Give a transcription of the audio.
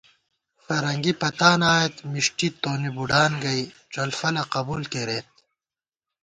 فرنگی پتانہ آئېت مِݭٹی تونی بُڈان گئ ،ڄلفَلہ قبُول کېرېت